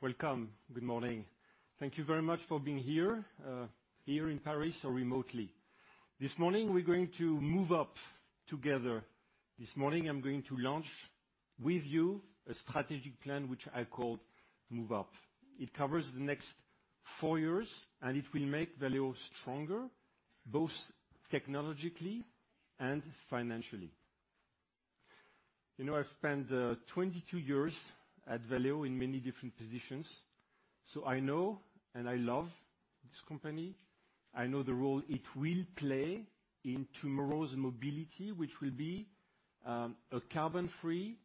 Welcome. Good morning. Thank you very much for being here in Paris or remotely. This morning we're going to move up together. This morning I'm going to launch with you a strategic plan which I call Move Up. It covers the next four years, and it will make Valeo stronger, both technologically and financially. You know, I've spent 22 years at Valeo in many different positions, so I know and I love this company. I know the role it will play in tomorrow's mobility, which will be a carbon-free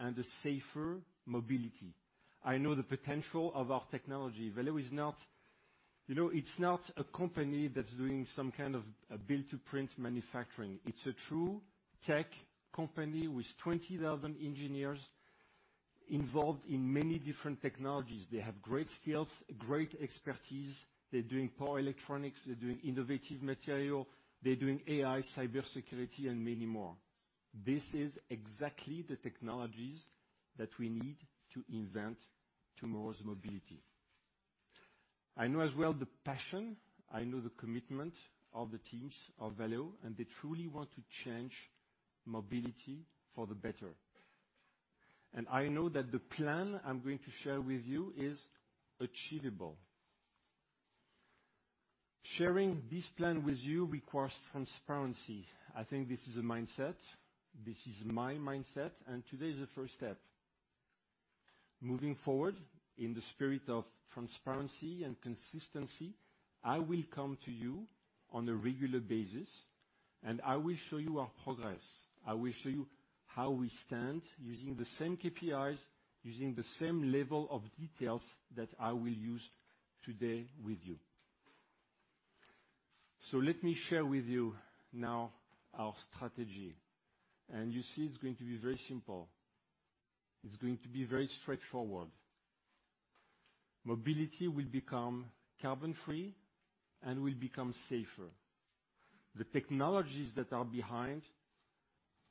and a safer mobility. I know the potential of our technology. Valeo is not, you know, it's not a company that's doing some kind of build-to-print manufacturing. It's a true tech company with 20,000 engineers involved in many different technologies. They have great skills, great expertise. They're doing power electronics. They're doing innovative material. They're doing AI, cybersecurity, and many more. This is exactly the technologies that we need to invent tomorrow's mobility. I know as well the passion, I know the commitment of the teams of Valeo, and they truly want to change mobility for the better. I know that the plan I'm going to share with you is achievable. Sharing this plan with you requires transparency. I think this is a mindset. This is my mindset, and today is the first step. Moving forward, in the spirit of transparency and consistency, I will come to you on a regular basis, and I will show you our progress. I will show you how we stand using the same KPIs, using the same level of details that I will use today with you. Let me share with you now our strategy. You see it's going to be very simple. It's going to be very straightforward. Mobility will become carbon-free and will become safer. The technologies that are behind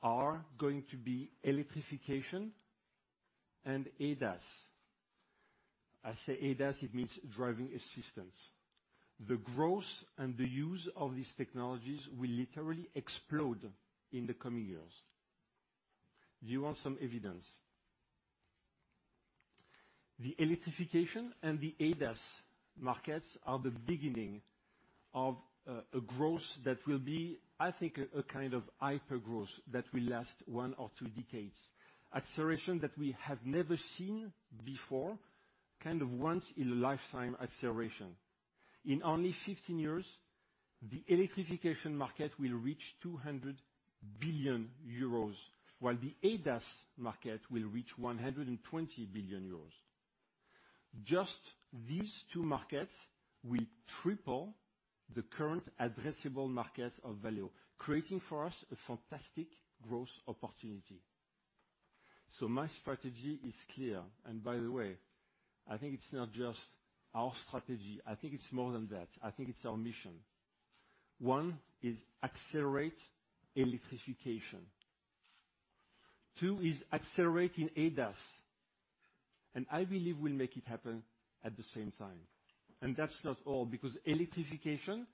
are going to be electrification and ADAS. I say ADAS, it means driving assistance. The growth and the use of these technologies will literally explode in the coming years. Do you want some evidence? The electrification and the ADAS markets are the beginning of a growth that will be, I think, a kind of hypergrowth that will last one or two decades. Acceleration that we have never seen before, kind of once in a lifetime acceleration. In only 15 years, the electrification market will reach 200 billion euros, while the ADAS market will reach 120 billion euros. Just these two markets will triple the current addressable market of Valeo, creating for us a fantastic growth opportunity. My strategy is clear. By the way, I think it's not just our strategy, I think it's more than that. I think it's our mission. One is accelerate electrification. Two is accelerating ADAS. I believe we'll make it happen at the same time. That's not all, because electrification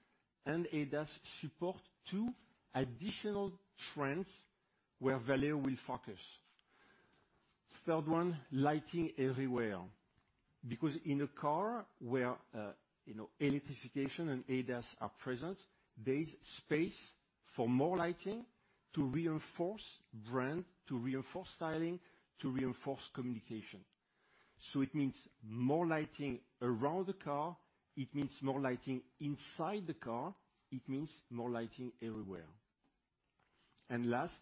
and ADAS support two additional trends where Valeo will focus. Third one, lighting everywhere. Because in a car where electrification and ADAS are present, there is space for more lighting to reinforce brand, to reinforce styling, to reinforce communication. It means more lighting around the car, it means more lighting inside the car, it means more lighting everywhere. Last,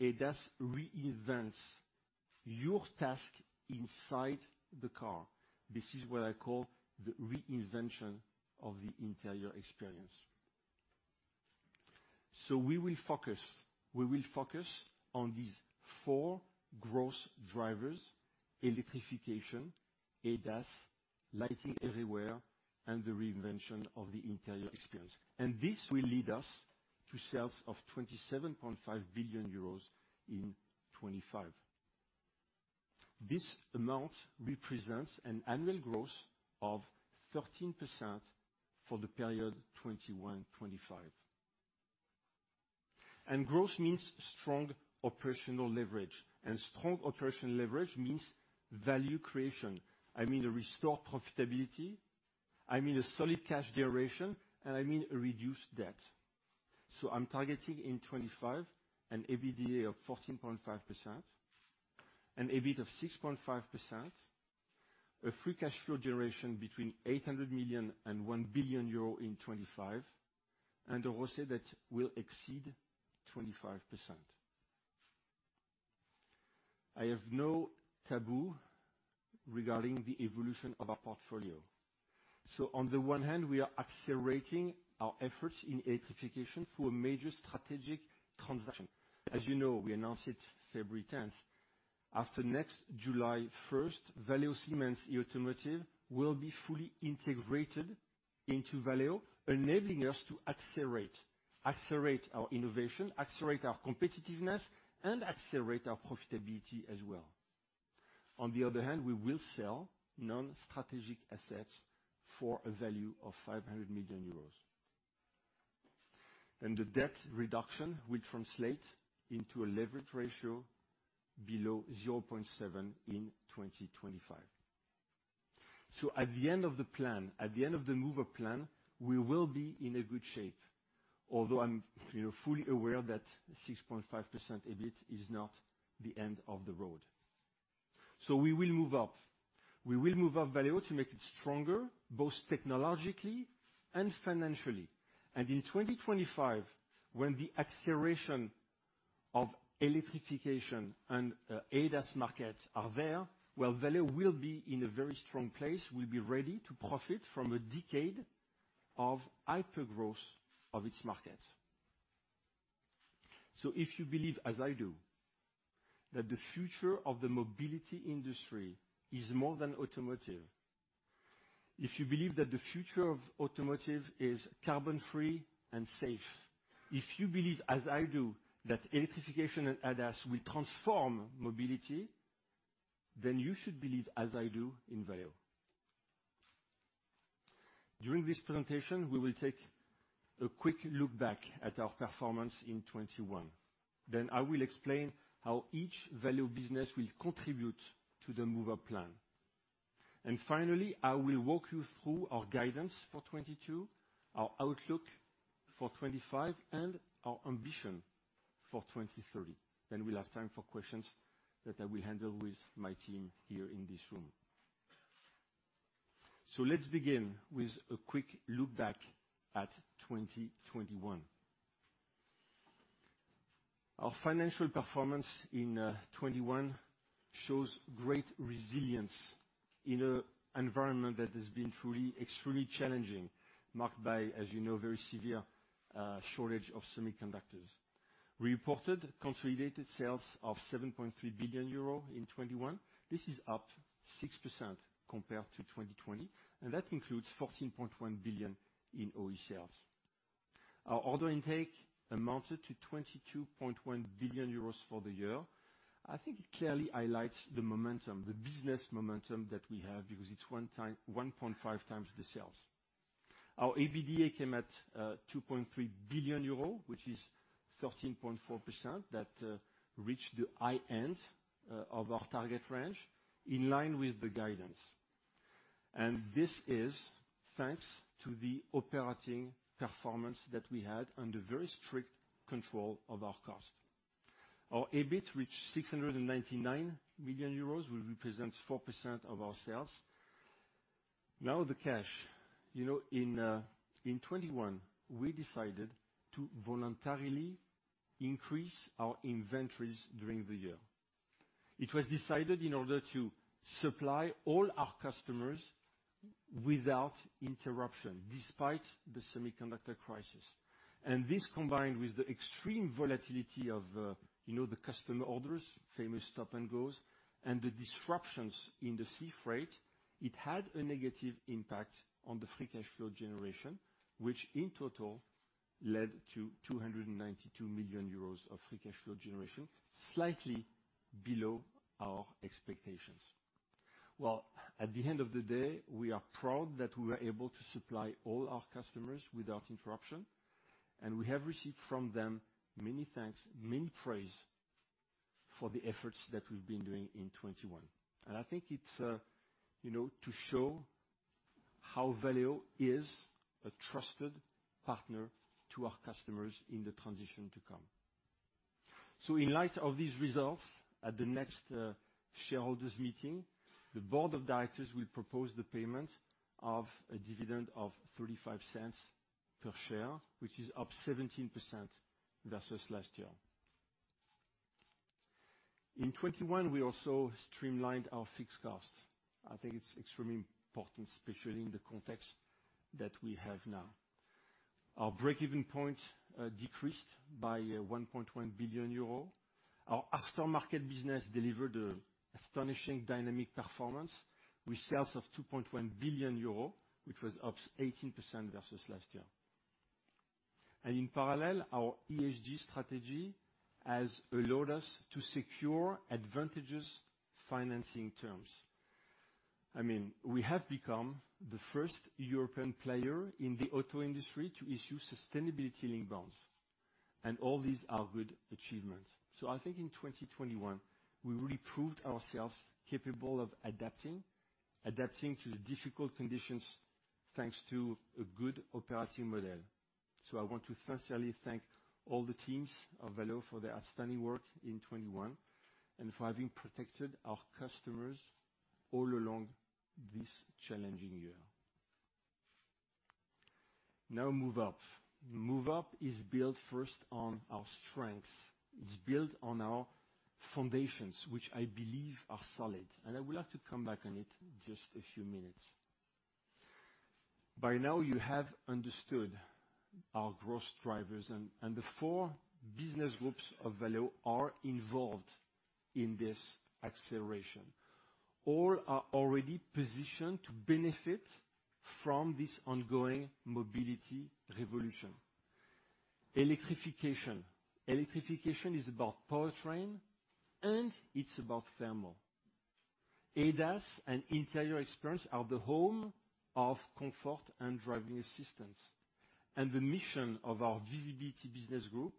ADAS reinvents your task inside the car. This is what I call the reinvention of the interior experience. We will focus on these four growth drivers, electrification, ADAS, lighting everywhere, and the reinvention of the interior experience. This will lead us to sales of 27.5 billion euros in 2025. This amount represents an annual growth of 13% for the period 2021-2025. Growth means strong operational leverage, and strong operational leverage means value creation. I mean a restored profitability, I mean a solid cash generation, and I mean a reduced debt. I'm targeting in 2025 an EBITDA of 14.5%, an EBIT of 6.5%, a free cash flow generation between 800 million and 1 billion euro in 2025, and a ROCE that will exceed 25%. I have no taboo regarding the evolution of our portfolio. On the one hand, we are accelerating our efforts in electrification through a major strategic transaction. As you know, we announced it February tenth. After next July first, Valeo Siemens eAutomotive will be fully integrated into Valeo, enabling us to accelerate our innovation, accelerate our competitiveness, and accelerate our profitability as well. On the other hand, we will sell non-strategic assets for a value of 500 million euros. The debt reduction will translate into a leverage ratio below zero point seven in 2025. At the end of the plan, at the end of the Move Up plan, we will be in a good shape. Although I'm, you know, fully aware that 6.5% EBIT is not the end of the road. We will move up. We will move up Valeo to make it stronger, both technologically and financially. In 2025, when the acceleration of electrification and ADAS market are there, well, Valeo will be in a very strong place. We'll be ready to profit from a decade of hyper-growth of its market. If you believe, as I do, that the future of the mobility industry is more than automotive. If you believe that the future of automotive is carbon-free and safe. If you believe, as I do, that electrification and ADAS will transform mobility, then you should believe, as I do, in Valeo. During this presentation, we will take a quick look back at our performance in 2021. I will explain how each Valeo business will contribute to the Move Up plan. Finally, I will walk you through our guidance for 2022, our outlook for 2025, and our ambition for 2030. We'll have time for questions that I will handle with my team here in this room. Let's begin with a quick look back at 2021. Our financial performance in twenty-one shows great resilience in an environment that has been truly extremely challenging, marked by, as you know, very severe shortage of semiconductors. We reported consolidated sales of 7.3 billion euro in 2021. This is up 6% compared to 2020, and that includes 14.1 billion in OE sales. Our order intake amounted to 22.1 billion euros for the year. I think it clearly highlights the momentum, the business momentum that we have because it's one point five times the sales. Our EBITDA came at two point three billion euro, which is 13.4%. That reached the high end of our target range in line with the guidance. This is thanks to the operating performance that we had under very strict control of our cost. Our EBIT reached 699 million euros, which represents 4% of our sales. Now the cash. You know, in 2021, we decided to voluntarily increase our inventories during the year. It was decided in order to supply all our customers without interruption, despite the semiconductor crisis. This, combined with the extreme volatility of, you know, the customer orders, famous stop and goes, and the disruptions in the sea freight, it had a negative impact on the free cash flow generation, which in total led to 292 million euros of free cash flow generation, slightly below our expectations. Well, at the end of the day, we are proud that we were able to supply all our customers without interruption, and we have received from them many thanks, many praise for the efforts that we've been doing in 2021. I think it's to show how Valeo is a trusted partner to our customers in the transition to come. In light of these results, at the next shareholders meeting, the board of directors will propose the payment of a dividend of 0.35 per share, which is up 17% versus last year. In 2021, we also streamlined our fixed cost. I think it's extremely important, especially in the context that we have now. Our break-even point decreased by 1.1 billion euro. Our aftermarket business delivered an astonishing dynamic performance with sales of 2.1 billion euro, which was up 18% versus last year. In parallel, our ESG strategy has allowed us to secure advantageous financing terms. I mean, we have become the first European player in the auto industry to issue sustainability-linked bonds, and all these are good achievements. I think in 2021, we really proved ourselves capable of adapting to the difficult conditions thanks to a good operating model. I want to sincerely thank all the teams of Valeo for their outstanding work in 2021 and for having protected our customers all along this challenging year. Now Move Up. Move Up is built first on our strengths. It's built on our foundations, which I believe are solid, and I will have to come back on it in just a few minutes. By now, you have understood our growth drivers, and the four business groups of Valeo are involved in this acceleration. All are already positioned to benefit from this ongoing mobility revolution. Electrification. Electrification is about powertrain, and it's about thermal. ADAS and interior experience are the home of comfort and driving assistance. The mission of our visibility business group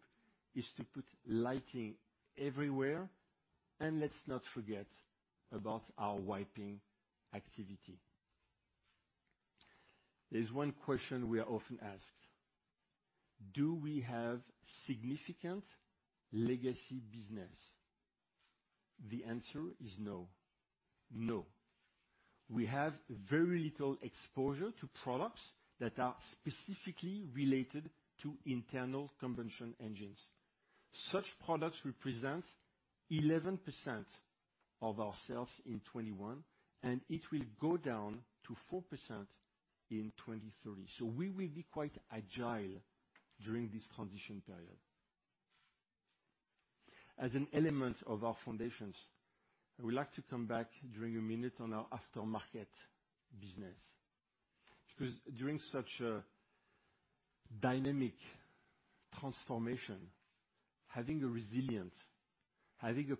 is to put lighting everywhere, and let's not forget about our wiping activity. There's one question we are often asked. Do we have significant legacy business? The answer is no. We have very little exposure to products that are specifically related to internal combustion engines. Such products represent 11% of our sales in 2021, and it will go down to 4% in 2030. We will be quite agile during this transition period. As an element of our foundations, I would like to come back for a minute on our aftermarket business. Because during such a dynamic transformation, having a resilient,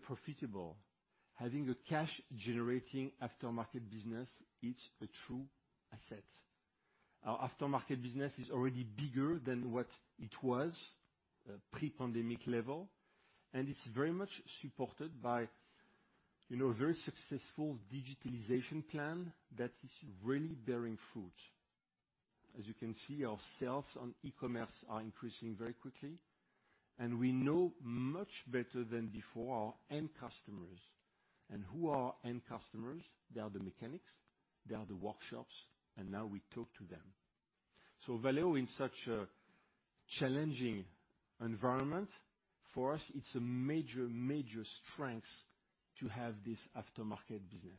profitable, cash-generating aftermarket business, it's a true asset. Our aftermarket business is already bigger than what it was pre-pandemic level, and it's very much supported by, you know, a very successful digitalization plan that is really bearing fruit. As you can see, our sales on e-commerce are increasing very quickly, and we know much better than before our end customers. Who are our end customers? They are the mechanics, they are the workshops, and now we talk to them. Valeo in such a challenging environment, for us, it's a major strength to have this aftermarket business.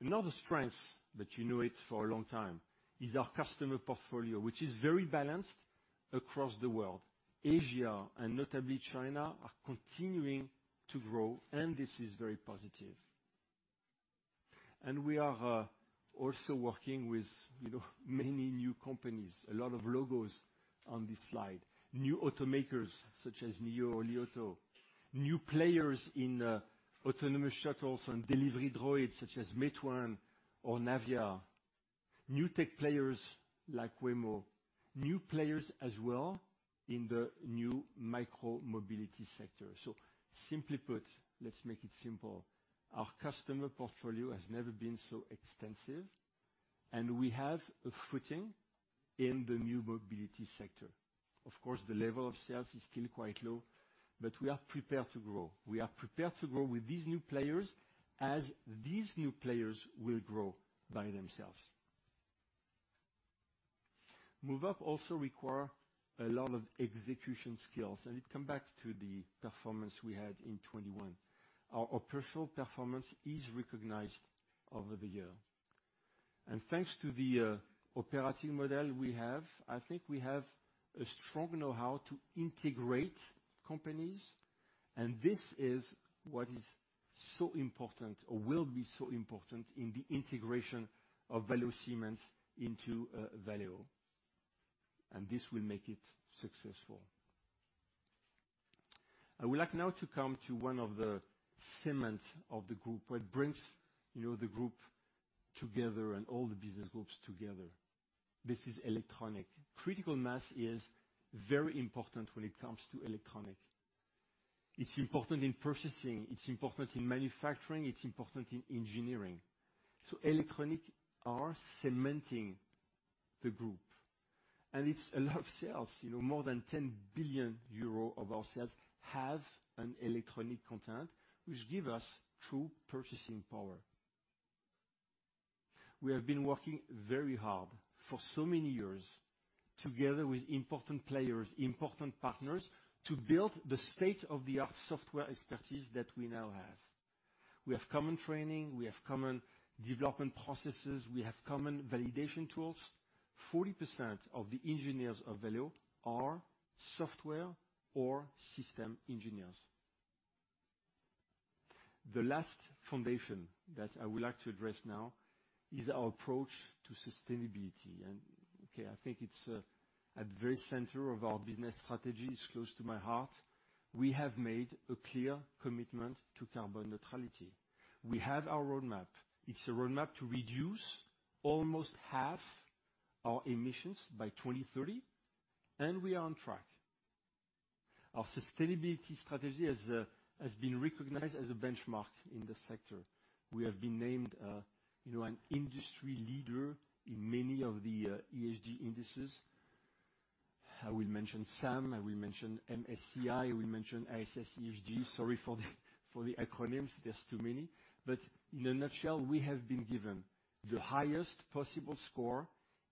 Another strength, but you know it for a long time, is our customer portfolio, which is very balanced across the world. Asia and notably China are continuing to grow, and this is very positive. We are also working with, you know, many new companies, a lot of logos on this slide. New automakers such as NIO or Li Auto, new players in autonomous shuttles and delivery droids such as Meituan or Navya, new tech players like Waymo, new players as well in the new micro-mobility sector. Simply put, let's make it simple, our customer portfolio has never been so extensive, and we have a footing in the new mobility sector. Of course, the level of sales is still quite low, but we are prepared to grow. We are prepared to grow with these new players as these new players will grow by themselves. Move Up also requires a lot of execution skills, and it comes back to the performance we had in 2021. Our operational performance is recognized over the year. Thanks to the operating model we have, I think we have a strong know-how to integrate companies, and this is what is so important or will be so important in the integration of Valeo Siemens into Valeo, and this will make it successful. I would like now to come to one of the cements of the group, what brings, you know, the group together and all the business groups together. This is electronics. Critical mass is very important when it comes to electronics. It's important in purchasing, it's important in manufacturing, it's important in engineering. Electronics are cementing the group. It's a lot of sales, you know, more than 10 billion euros of our sales have an electronic content, which give us true purchasing power. We have been working very hard for so many years together with important players, important partners, to build the state-of-the-art software expertise that we now have. We have common training, we have common development processes, we have common validation tools. 40% of the engineers of Valeo are software or system engineers. The last foundation that I would like to address now is our approach to sustainability. Okay, I think it's at the very center of our business strategy. It's close to my heart. We have made a clear commitment to carbon neutrality. We have our roadmap. It's a roadmap to reduce almost half our emissions by 2030, and we are on track. Our sustainability strategy has been recognized as a benchmark in the sector. We have been named, you know, an industry leader in many of the ESG indices. I will mention some. I will mention MSCI, I will mention ISS ESG. Sorry for the acronyms. There's too many. But in a nutshell, we have been given the highest possible score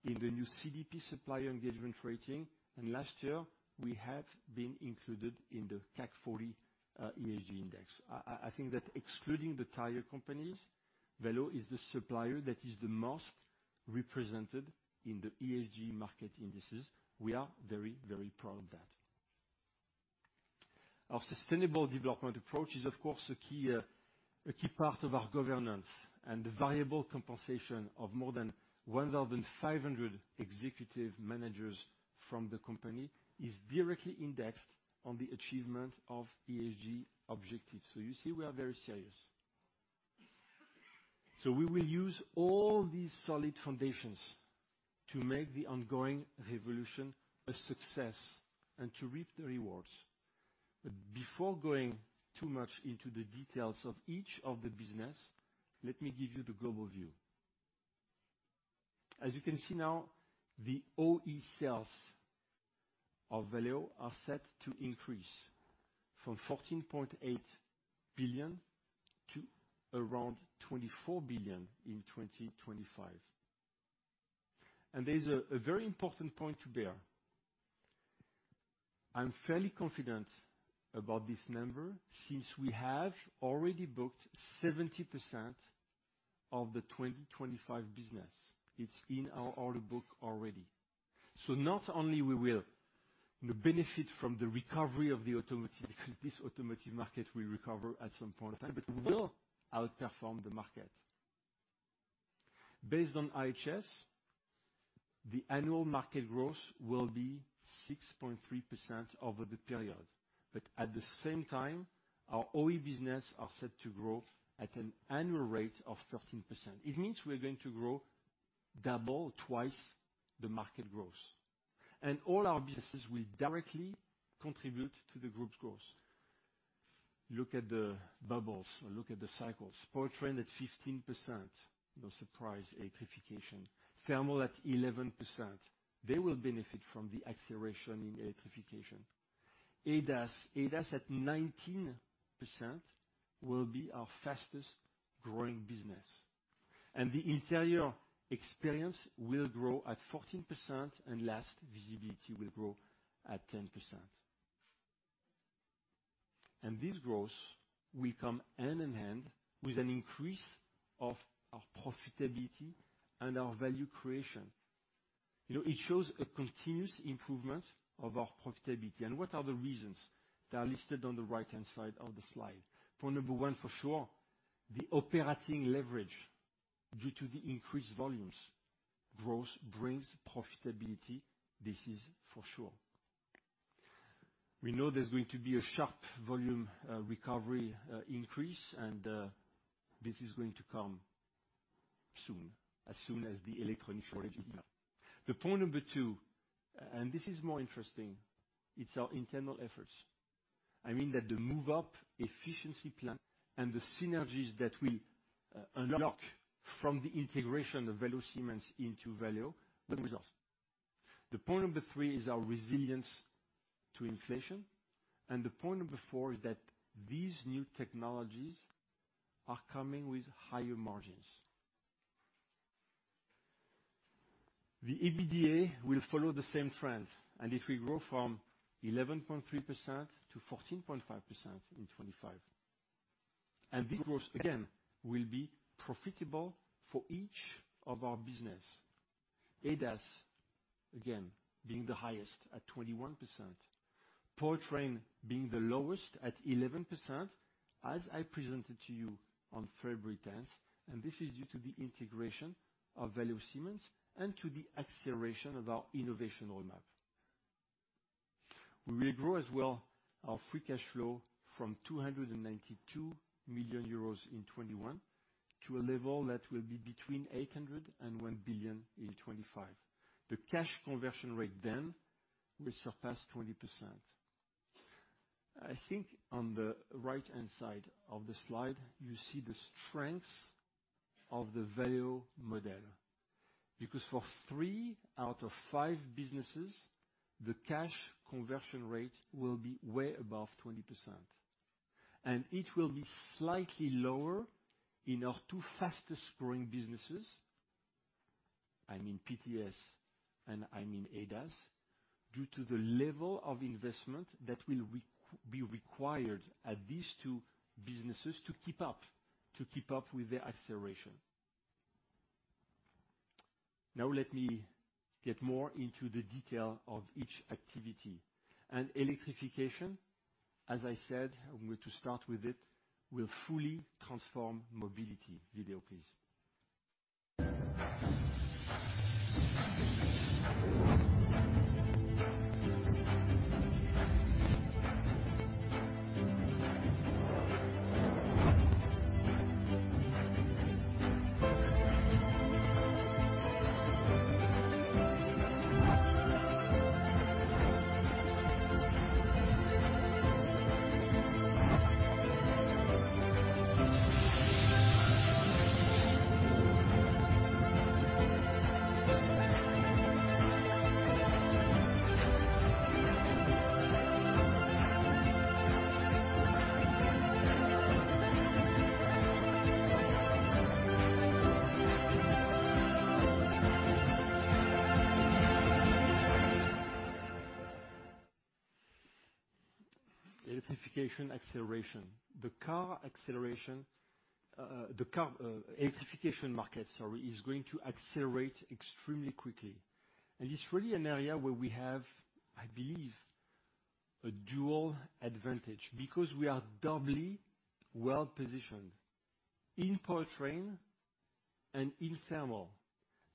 in the new CDP Supplier Engagement Rating, and last year, we had been included in the CAC 40 ESG index. I think that excluding the tire companies, Valeo is the supplier that is the most represented in the ESG market indices. We are very, very proud of that. Our sustainable development approach is, of course, a key part of our governance. The variable compensation of more than 1,500 executive managers from the company is directly indexed on the achievement of ESG objectives. You see, we are very serious. We will use all these solid foundations to make the ongoing revolution a success and to reap the rewards. Before going too much into the details of each of the business, let me give you the global view. As you can see now, the OE sales of Valeo are set to increase from 14.8 billion to around 24 billion in 2025. There is a very important point to bear. I'm fairly confident about this number since we have already booked 70% of the 2025 business. It's in our order book already. Not only we will benefit from the recovery of the automotive, this automotive market will recover at some point in time, but we will outperform the market. Based on IHS, the annual market growth will be 6.3% over the period. At the same time, our OE business are set to grow at an annual rate of 13%. It means we are going to grow double, twice the market growth. All our businesses will directly contribute to the group's growth. Look at the bubbles or look at the cycles. Powertrain that 15%, no surprise, electrification. Thermal at 11%. They will benefit from the acceleration in electrification. ADAS at 19% will be our fastest-growing business. The interior experience will grow at 14%. Last, visibility will grow at 10%. This growth will come hand in hand with an increase of our profitability and our value creation. You know, it shows a continuous improvement of our profitability. What are the reasons? They are listed on the right-hand side of the slide. Point number one, for sure, the operating leverage due to the increased volumes. Growth brings profitability, this is for sure. We know there's going to be a sharp volume recovery increase, and this is going to come soon, as soon as the electronic shortage is done. Point number two, and this is more interesting, it's our internal efforts. I mean that the Move Up efficiency plan and the synergies that we unlock from the integration of Valeo Siemens into Valeo, good results. Point 3 is our resilience to inflation, and point four is that these new technologies are coming with higher margins. EBITDA will follow the same trends, and it will grow from 11.3% to 14.5% in 2025. This growth, again, will be profitable for each of our business. ADAS, again, being the highest at 21%. Powertrain being the lowest at 11%, as I presented to you on February 10, and this is due to the integration of Valeo Siemens and to the acceleration of our innovation roadmap. We will grow as well our free cash flow from 292 million euros in 2021 to a level that will be between 800 million and 1 billion in 2025. Cash conversion rate then will surpass 20%. I think on the right-hand side of the slide, you see the strengths of the Valeo model. Because for three out of five businesses, the cash conversion rate will be way above 20%. It will be slightly lower in our two fastest growing businesses, I mean PTS and I mean ADAS, due to the level of investment that will be required at these two businesses to keep up with their acceleration. Now let me get more into the detail of each activity. Electrification, as I said, I'm going to start with it, will fully transform mobility. Video, please. Electrification acceleration. The car electrification market, sorry, is going to accelerate extremely quickly. It's really an area where we have, I believe, a dual advantage because we are doubly well-positioned in powertrain and in thermal.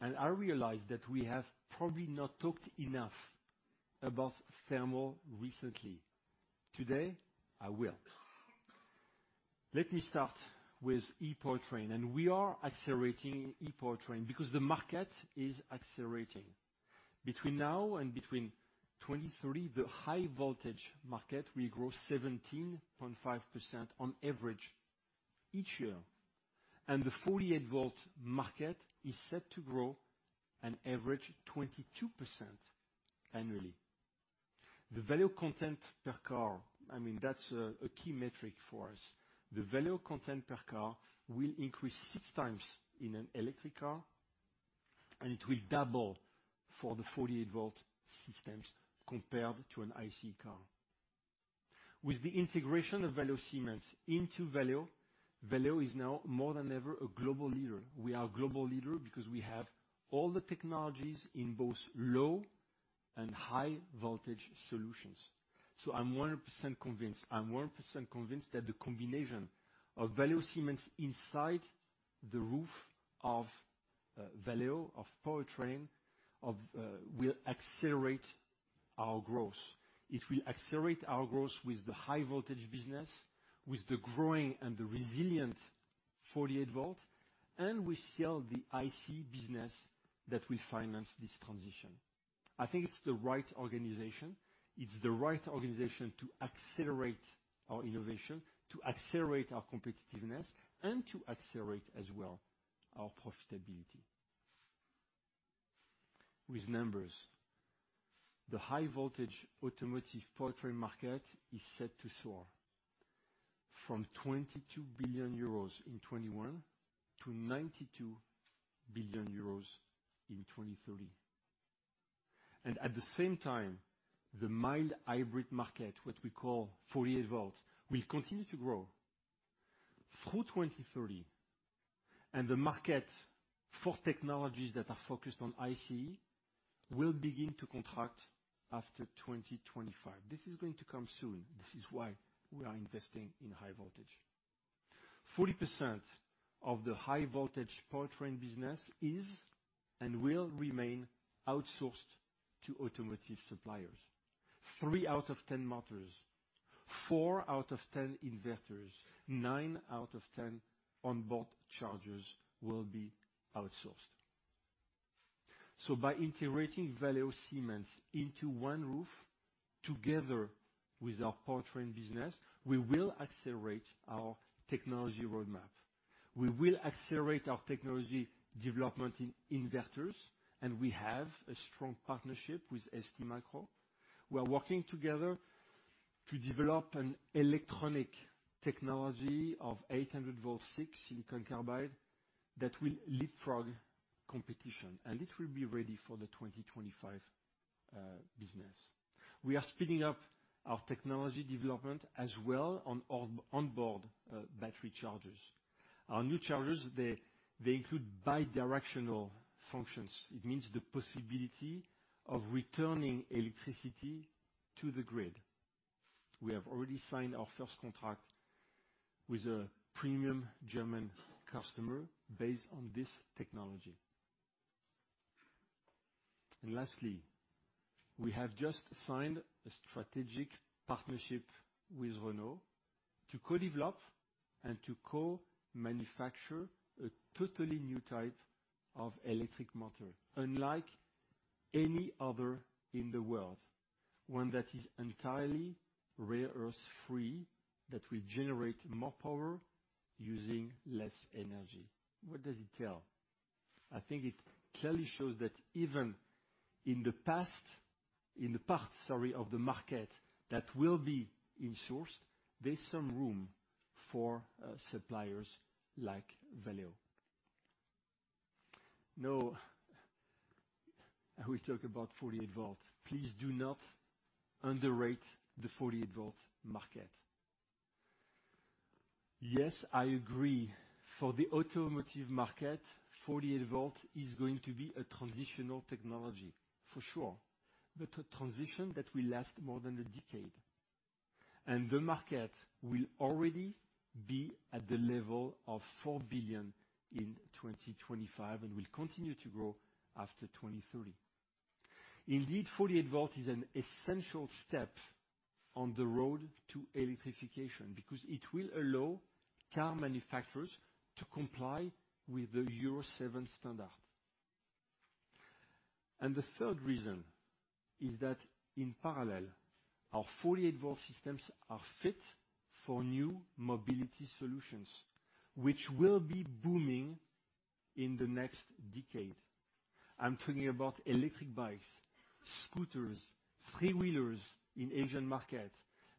I realize that we have probably not talked enough about thermal recently. Today, I will. Let me start with e-powertrain. We are accelerating e-powertrain because the market is accelerating. Between now and 2023, the high voltage market will grow 17.5% on average each year, and the 48 volt market is set to grow an average 22% annually. The value content per car, I mean, that's a key metric for us. The value content per car will increase six times in an electric car, and it will double for the 48 volt systems compared to an ICE car. With the integration of Valeo Siemens into Valeo is now more than ever a global leader. We are a global leader because we have all the technologies in both low and high voltage solutions. I'm 100% convinced that the combination of Valeo Siemens under the roof of Valeo powertrain will accelerate our growth. It will accelerate our growth with the high voltage business, with the growing and the resilient 48-volt, and we sell the ICE business that will finance this transition. I think it's the right organization to accelerate our innovation, to accelerate our competitiveness, and to accelerate as well our profitability. With numbers, the high voltage automotive powertrain market is set to soar from 22 billion euros in 2021 to 92 billion euros in 2030. At the same time, the mild hybrid market, what we call 48-volt, will continue to grow through 2030. The market for technologies that are focused on ICE will begin to contract after 2025. This is going to come soon. This is why we are investing in high voltage. 40% of the high voltage powertrain business is and will remain outsourced to automotive suppliers. 3 out of 10 motors, 4 out of 10 inverters, 9 out of 10 onboard chargers will be outsourced. By integrating Valeo Siemens under one roof together with our powertrain business, we will accelerate our technology roadmap. We will accelerate our technology development in inverters, and we have a strong partnership with STMicro. We are working together to develop an electronic technology of 800-volt SiC, silicon carbide, that will leapfrog competition, and it will be ready for the 2025 business. We are speeding up our technology development as well on onboard battery chargers. Our new chargers, they include bidirectional functions. It means the possibility of returning electricity to the grid. We have already signed our first contract with a premium German customer based on this technology. Lastly, we have just signed a strategic partnership with Renault to co-develop and to co-manufacture a totally new type of electric motor, unlike any other in the world, one that is entirely rare earth free, that will generate more power using less energy. What does it tell? I think it clearly shows that even in the parts of the market that will be insourced, there's some room for suppliers like Valeo. Now, we talk about 48-volt. Please do not underrate the 48-volt market. Yes, I agree. For the automotive market, 48-volt is going to be a transitional technology, for sure, but a transition that will last more than a decade. The market will already be at the level of 4 billion in 2025 and will continue to grow after 2030. Indeed, 48-volt is an essential step on the road to electrification because it will allow car manufacturers to comply with the Euro 7 standard. The third reason is that in parallel, our 48-volt systems are fit for new mobility solutions, which will be booming in the next decade. I'm talking about electric bikes, scooters, three-wheelers in Asian market,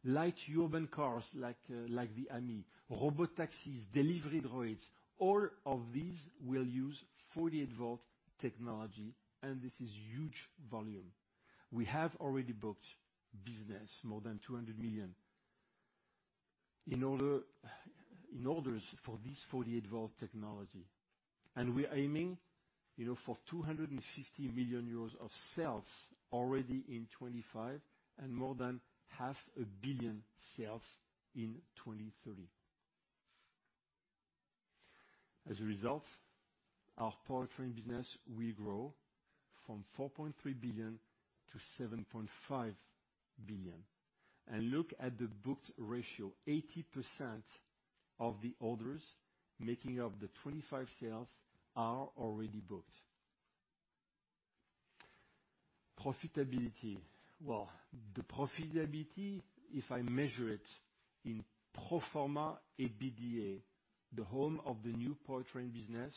light urban cars like the Ami, robotaxis, delivery droids. All of these will use 48-volt technology, and this is huge volume. We have already booked business, more than 200 million in orders for this 48-volt technology. We're aiming, you know, for 250 million euros of sales already in 2025, and more than 500 million sales in 2030. As a result, our powertrain business will grow from 4.3 billion to 7.5 billion. Look at the booked ratio. 80% of the orders making up the 2025 sales are already booked. Profitability. Well, the profitability, if I measure it in pro forma EBITDA, the margin of the new powertrain business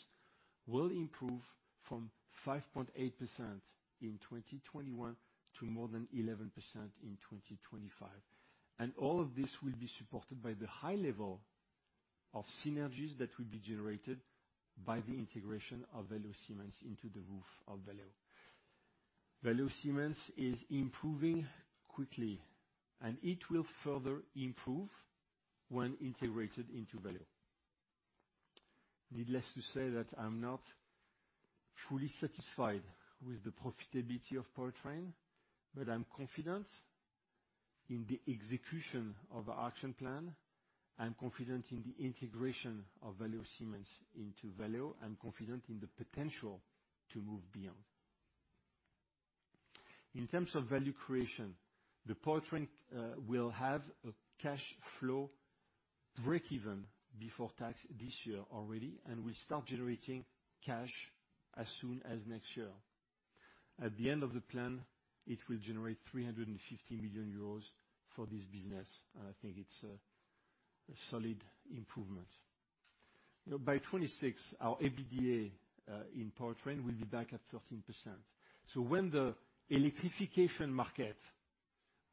will improve from 5.8% in 2021 to more than 11% in 2025. All of this will be supported by the high level of synergies that will be generated by the integration of Valeo Siemens into the group of Valeo. Valeo Siemens is improving quickly, and it will further improve when integrated into Valeo. Needless to say, that I'm not fully satisfied with the profitability of powertrain, but I'm confident in the execution of our action plan. I'm confident in the integration of Valeo Siemens into Valeo. I'm confident in the potential to move beyond. In terms of value creation, the powertrain will have a cash flow breakeven before tax this year already, and will start generating cash as soon as next year. At the end of the plan, it will generate 350 million euros for this business. I think it's a solid improvement. You know, by 2026, our EBITDA in powertrain will be back at 13%. When the electrification market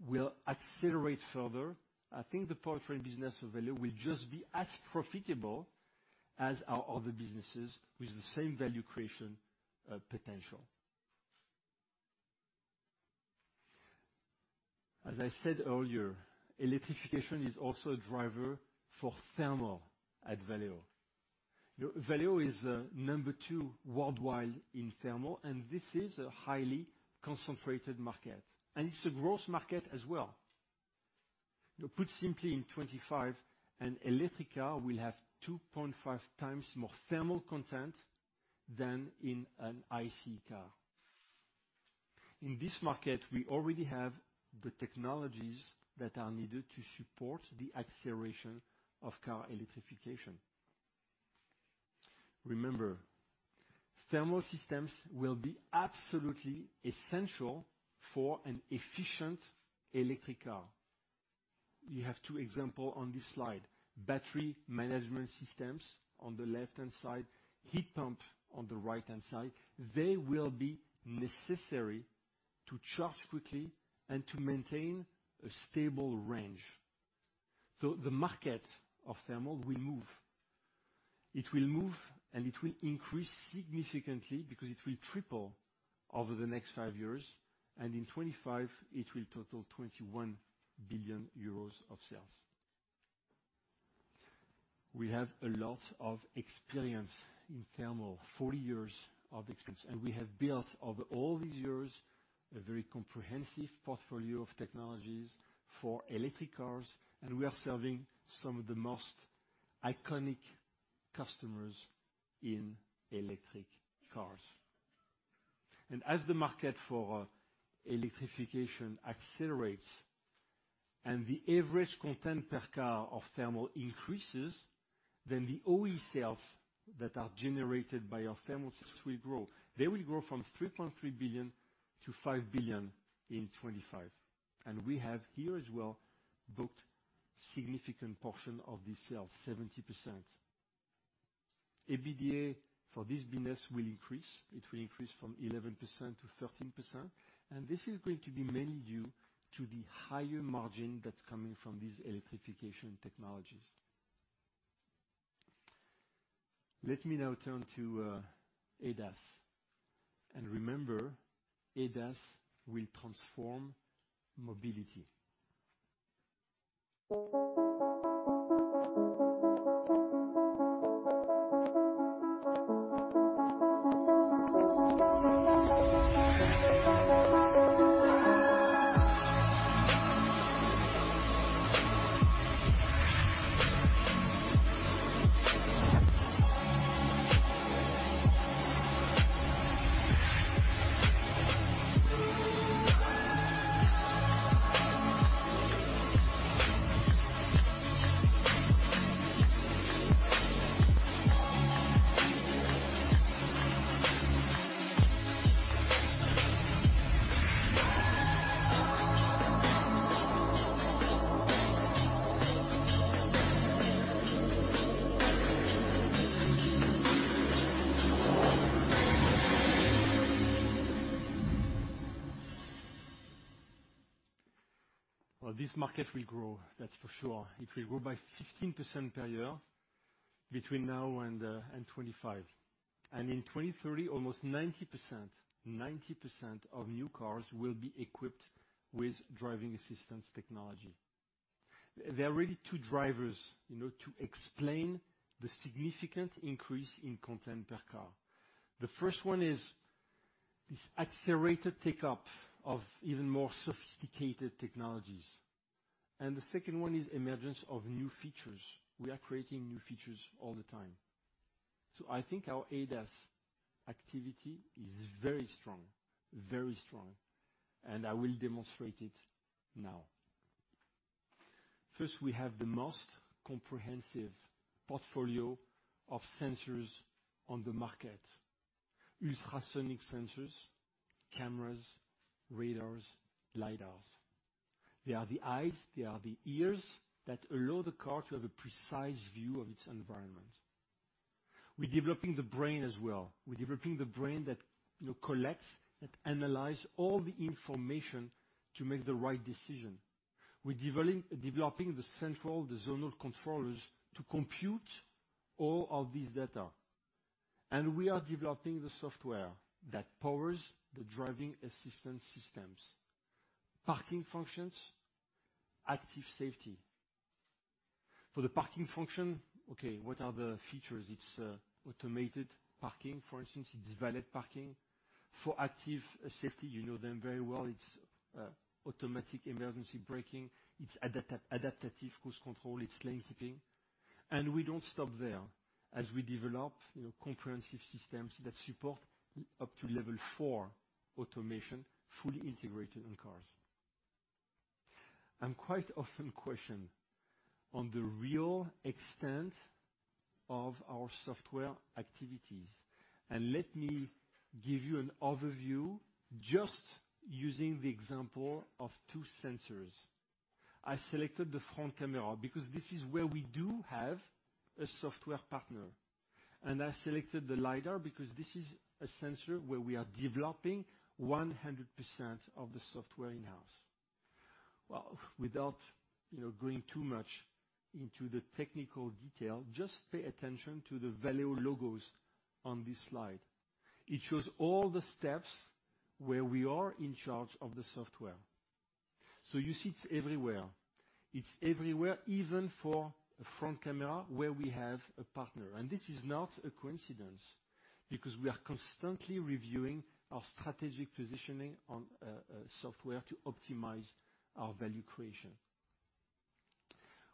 will accelerate further, I think the powertrain business of Valeo will just be as profitable as our other businesses with the same value creation potential. As I said earlier, electrification is also a driver for thermal at Valeo. You know, Valeo is number two worldwide in thermal, and this is a highly concentrated market, and it's a growth market as well. To put simply, in 2025, an electric car will have two point five times more thermal content than in an ICE car. In this market, we already have the technologies that are needed to support the acceleration of car electrification. Remember, thermal systems will be absolutely essential for an efficient electric car. You have two examples on this slide. Battery management systems on the left-hand side, heat pump on the right-hand side. They will be necessary to charge quickly and to maintain a stable range. The market of thermal will move. It will move, and it will increase significantly because it will triple over the next five years. In 2025, it will total 21 billion euros of sales. We have a lot of experience in thermal. 40 years of experience. We have built over all these years, a very comprehensive portfolio of technologies for electric cars, and we are serving some of the most iconic customers in electric cars. As the market for electrification accelerates and the average content per car of thermal increases, then the OE sales that are generated by our thermal systems will grow. They will grow from 3.3 billion to 5 billion in 2025. We have here as well booked significant portion of the sales, 70%. EBITDA for this business will increase. It will increase from 11%-13%, and this is going to be mainly due to the higher margin that's coming from these electrification technologies. Let me now turn to ADAS. Remember, ADAS will transform mobility. Well, this market will grow, that's for sure. It will grow by 15% per year. Between now and 2025. In 2030, almost 90% of new cars will be equipped with driving assistance technology. There are really two drivers, you know, to explain the significant increase in content per car. The first one is this accelerated take-up of even more sophisticated technologies, and the second one is emergence of new features. We are creating new features all the time. I think our ADAS activity is very strong, and I will demonstrate it now. First, we have the most comprehensive portfolio of sensors on the market. Ultrasonic sensors, cameras, radars, LiDARs. They are the eyes, they are the ears that allow the car to have a precise view of its environment. We're developing the brain as well. We're developing the brain that, you know, collects and analyze all the information to make the right decision. We're developing the central, the zonal controllers to compute all of this data. We are developing the software that powers the driving assistance systems, parking functions, active safety. For the parking function, okay, what are the features? It's automated parking, for instance. It's valet parking. For active safety, you know them very well. It's automatic emergency braking. It's adaptive cruise control. It's lane keeping. We don't stop there. As we develop, you know, comprehensive systems that support up to Level four automation, fully integrated in cars. I'm quite often questioned on the real extent of our software activities. Let me give you an overview just using the example of two sensors. I selected the front camera because this is where we do have a software partner. I selected the LiDAR because this is a sensor where we are developing 100% of the software in-house. Well, without, you know, going too much into the technical detail, just pay attention to the Valeo logos on this slide. It shows all the steps where we are in charge of the software. You see it's everywhere. It's everywhere, even for a front camera where we have a partner. This is not a coincidence because we are constantly reviewing our strategic positioning on software to optimize our value creation.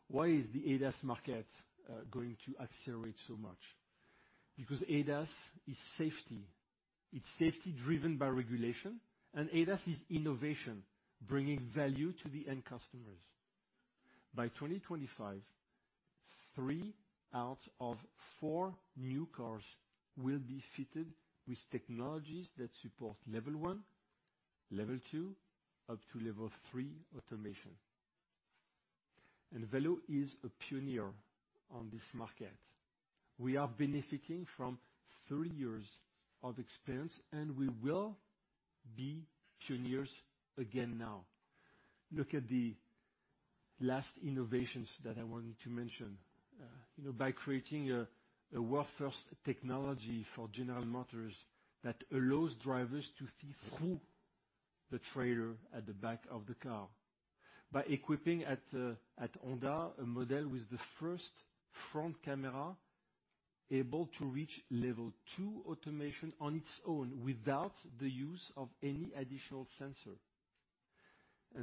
Why is the ADAS market going to accelerate so much? Because ADAS is safety. It's safety driven by regulation, and ADAS is innovation, bringing value to the end customers. By 2025, three out of four new cars will be fitted with technologies that support level one, level two, up to level three automation. Valeo is a pioneer on this market. We are benefiting from 30 years of experience, and we will be pioneers again now. Look at the last innovations that I wanted to mention. You know, by creating a world-first technology for General Motors that allows drivers to see through the trailer at the back of the car. By equipping a Honda model with the first front camera able to reach level two automation on its own without the use of any additional sensor.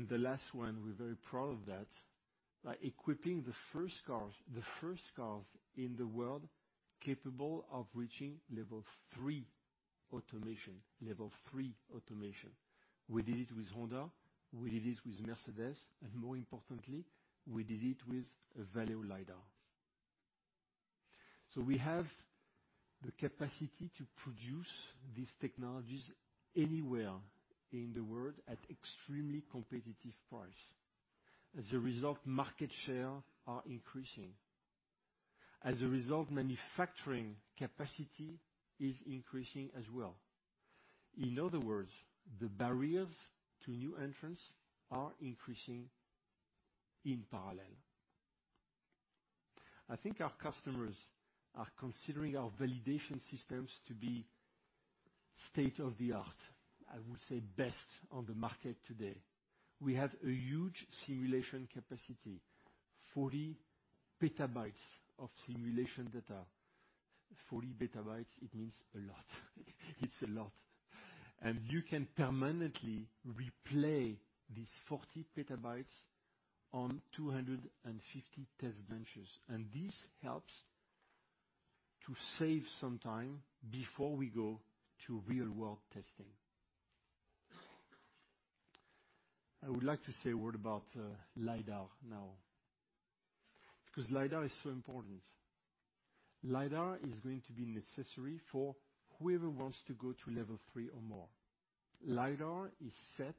The last one, we're very proud of that, by equipping the first cars in the world capable of reaching level three automation. We did it with Honda, we did it with Mercedes, and more importantly, we did it with a Valeo LiDAR. We have the capacity to produce these technologies anywhere in the world at extremely competitive price. As a result, market share are increasing. As a result, manufacturing capacity is increasing as well. In other words, the barriers to new entrants are increasing in parallel. I think our customers are considering our validation systems to be state-of-the-art. I would say best on the market today. We have a huge simulation capacity, 40 PB of simulation data. 40 PB, it means a lot. It's a lot. You can permanently replay these 40 PB on 250 test benches. This helps to save some time before we go to real-world testing. I would like to say a word about LiDAR now, because LiDAR is so important. LiDAR is going to be necessary for whoever wants to go to level th or more. LiDAR is set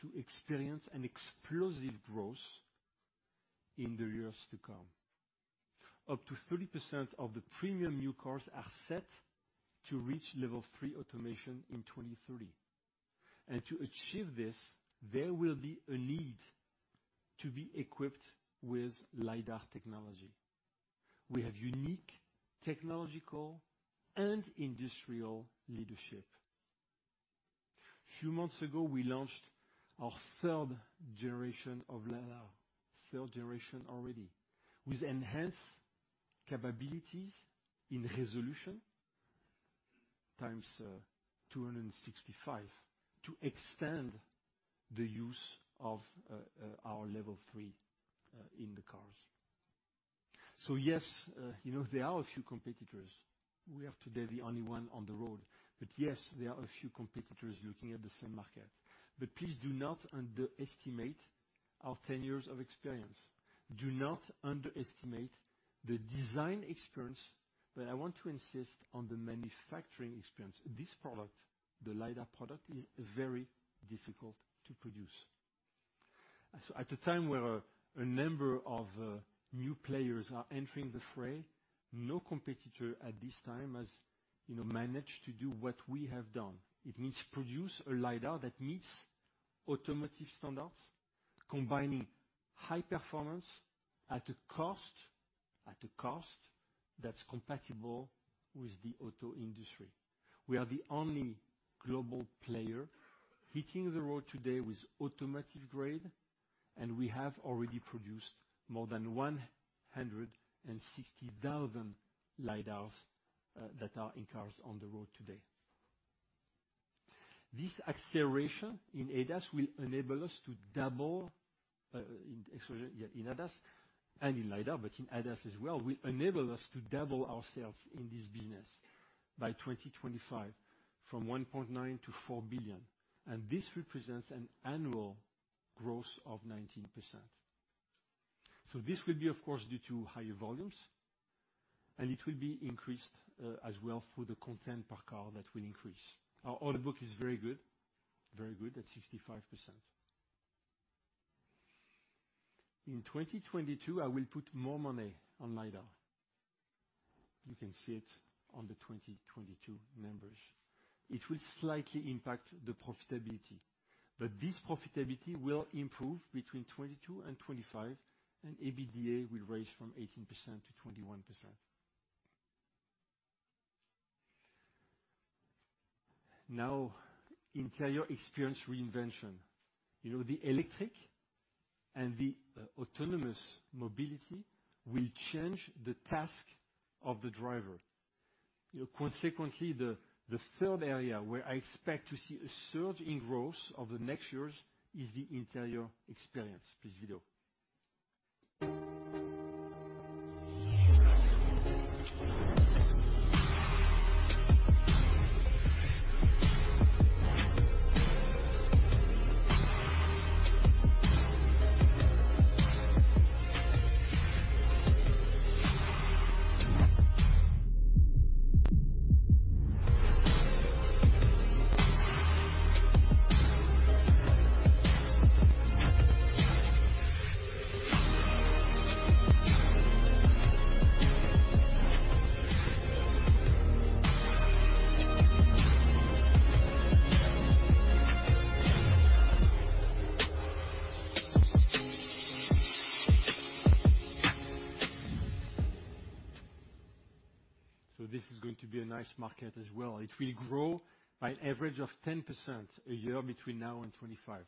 to experience an explosive growth in the years to come. Up to 30% of the premium new cars are set to reach level three automation in 2030. To achieve this, there will be a need to be equipped with LiDAR technology. We have unique technological and industrial leadership. Few months ago, we launched our third generation of LiDAR already, with enhanced capabilities in resolution times 265, to extend the use of our level three in the cars. Yes, you know, there are a few competitors. We are today the only one on the road, but yes, there are a few competitors looking at the same market. Please do not underestimate our 10 years of experience. Do not underestimate the design experience, but I want to insist on the manufacturing experience. This product, the LiDAR product, is very difficult to produce. At a time where a number of new players are entering the fray, no competitor at this time has, you know, managed to do what we have done. It means produce a LiDAR that meets automotive standards, combining high performance at a cost that's compatible with the auto industry. We are the only global player hitting the road today with automotive grade, and we have already produced more than 160,000 LiDARs that are in cars on the road today. This acceleration in ADAS will enable us to double in ADAS and in LiDAR, but in ADAS as well, will enable us to double our sales in this business by 2025 from 1.9 billion to 4 billion. This represents an annual growth of 19%. This will be of course due to higher volumes, and it will be increased as well for the content per car that will increase. Our order book is very good at 65%. In 2022, I will put more money on LiDAR. You can see it on the 2022 numbers. It will slightly impact the profitability, but this profitability will improve between 2022 and 2025, and EBITDA will raise from 18% to 21%. Now, interior experience reinvention. You know, the electric and the autonomous mobility will change the task of the driver. You know, consequently, the third area where I expect to see a surge in growth of the next years is the interior experience. Please, video. This is going to be a nice market as well. It will grow by an average of 10% a year between now and 2025.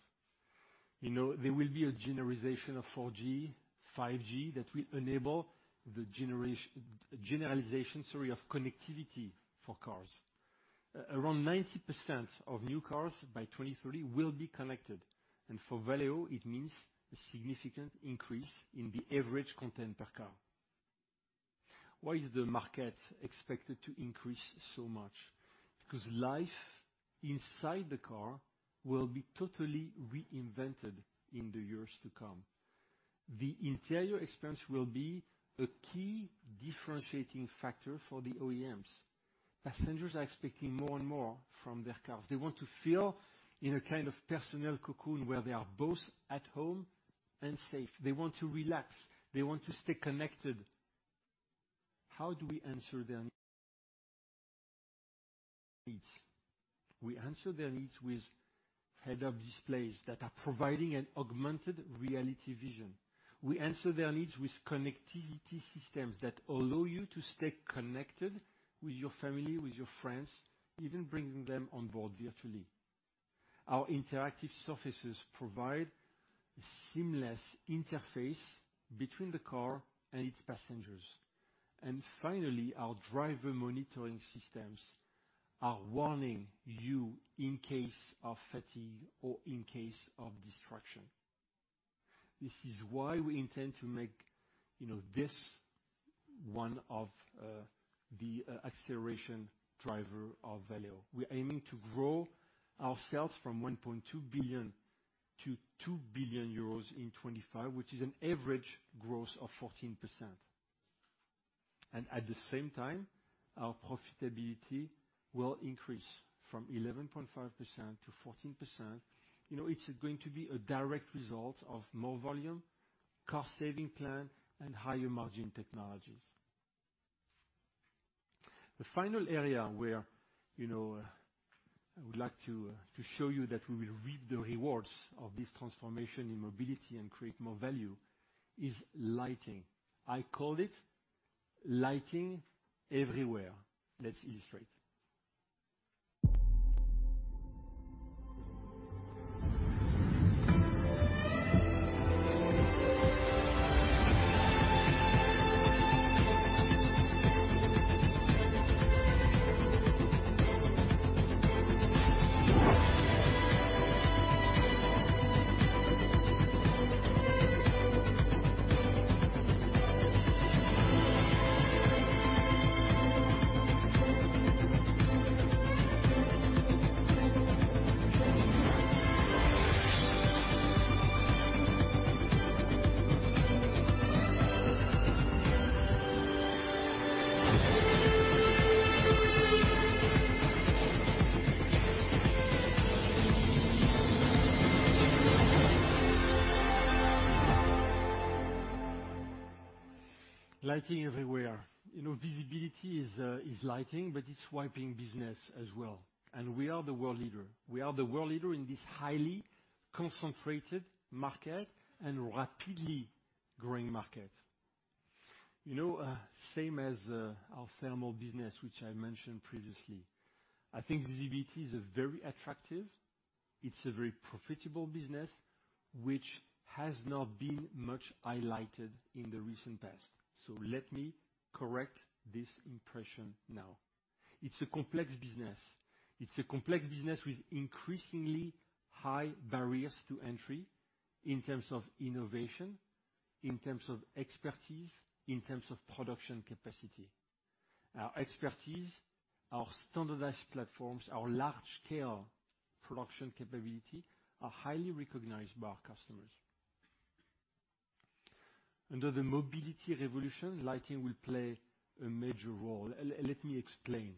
You know, there will be a generalization of 4G, 5G, that will enable the generalization, sorry, of connectivity for cars. Around 90% of new cars by 2030 will be connected. For Valeo, it means a significant increase in the average content per car. Why is the market expected to increase so much? Because life inside the car will be totally reinvented in the years to come. The interior experience will be a key differentiating factor for the OEMs. Passengers are expecting more and more from their cars. They want to feel in a kind of personal cocoon where they are both at home and safe. They want to relax. They want to stay connected. How do we answer their needs? We answer their needs with head-up displays that are providing an augmented reality vision. We answer their needs with connectivity systems that allow you to stay connected with your family, with your friends, even bringing them on board virtually. Our interactive surfaces provide a seamless interface between the car and its passengers. Finally, our driver monitoring systems are warning you in case of fatigue or in case of distraction. This is why we intend to make, you know, this one of the acceleration driver of Valeo. We're aiming to grow our sales from 1.2 billion to 2 billion euros in 2025, which is an average growth of 14%. At the same time, our profitability will increase from 11.5% to 14%. You know, it's going to be a direct result of more volume, cost saving plan, and higher margin technologies. The final area where I would like to show you that we will reap the rewards of this transformation in mobility and create more value is lighting. I call it lighting everywhere. Let's illustrate. Lighting everywhere. Visibility is lighting, but it's wiper business as well. We are the world leader. We are the world leader in this highly concentrated market and rapidly growing market. Same as our thermal business, which I mentioned previously. I think visibility is a very attractive, it's a very profitable business, which has not been much highlighted in the recent past. Let me correct this impression now. It's a complex business. It's a complex business with increasingly high barriers to entry in terms of innovation, in terms of expertise, in terms of production capacity. Our expertise, our standardized platforms, our large-scale production capability are highly recognized by our customers. Under the mobility revolution, lighting will play a major role. Let me explain.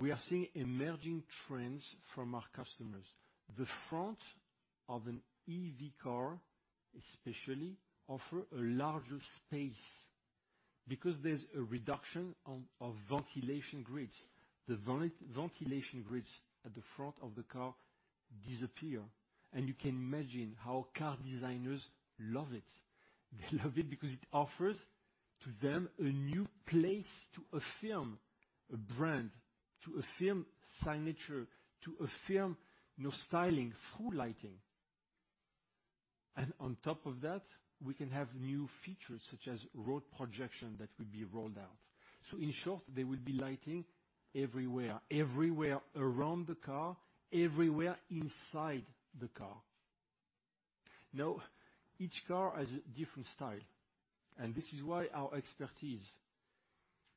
We are seeing emerging trends from our customers. The front of an EV car especially offer a larger space because there's a reduction of ventilation grids. The ventilation grids at the front of the car disappear, and you can imagine how car designers love it. They love it because it offers to them a new place to affirm a brand, to affirm signature, to affirm, you know, styling through lighting. On top of that, we can have new features such as road projection that will be rolled out. In short, there will be lighting everywhere. Everywhere around the car, everywhere inside the car. Now, each car has a different style, and this is why our expertise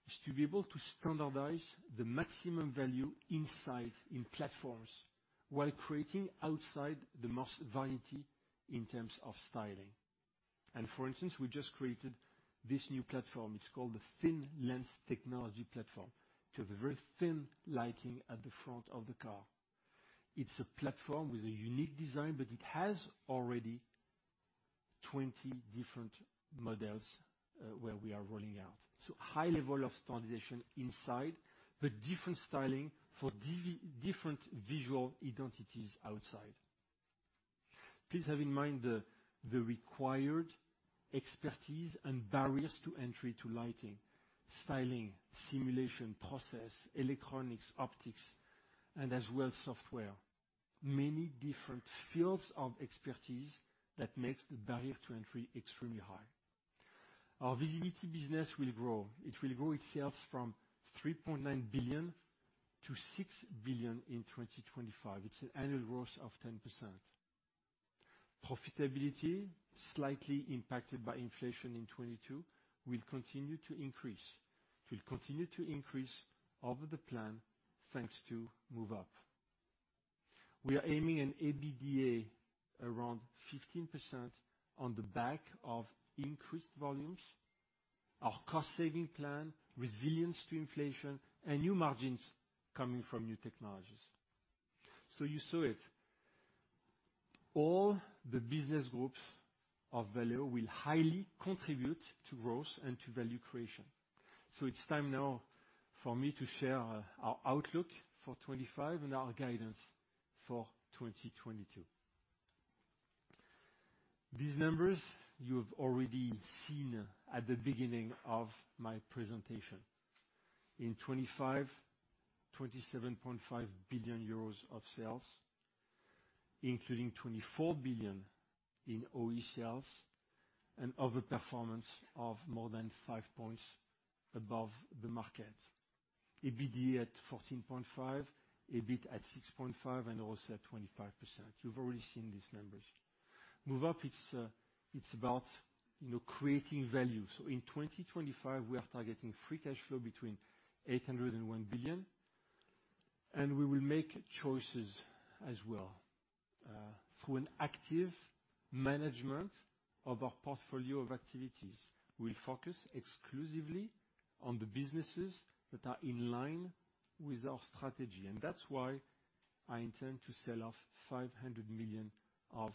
is to be able to standardize the maximum value inside, in platforms, while creating outside the most variety in terms of styling. For instance, we just created this new platform. It's called the thin lens technology platform. To have a very thin lighting at the front of the car. It's a platform with a unique design, but it has already 20 different models where we are rolling out. High level of standardization inside, but different styling for different visual identities outside. Please have in mind the required expertise and barriers to entry to lighting. Styling, simulation, process, electronics, optics, and as well software. Many different fields of expertise that makes the barrier to entry extremely high. Our visibility business will grow. It will grow itself from 3.9 billion to 6 billion in 2025. It's an annual growth of 10%. Profitability, slightly impacted by inflation in 2022, will continue to increase over the plan, thanks to Move Up. We are aiming an EBITDA around 15% on the back of increased volumes, our cost saving plan, resilience to inflation, and new margins coming from new technologies. You saw it. All the business groups of Valeo will highly contribute to growth and to value creation. It's time now for me to share our outlook for 2025 and our guidance for 2022. These numbers you've already seen at the beginning of my presentation. In 2025, 27.5 billion euros of sales, including 24 billion in OE sales and other performance of more than 5 points above the market. EBITDA at 14.5, EBIT at 6.5, and ROCE at 25%. You've already seen these numbers. Move Up, it's about, you know, creating value. In 2025, we are targeting free cash flow between 800 million and 1 billion. We will make choices as well through an active management of our portfolio of activities. We'll focus exclusively on the businesses that are in line with our strategy. That's why I intend to sell off 500 million of